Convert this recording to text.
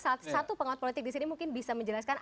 satu pengamat politik di sini mungkin bisa menjelaskan